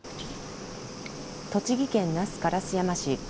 栃木県那須烏山市。